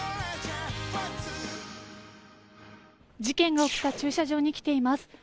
事件が起きた駐車場に来ています。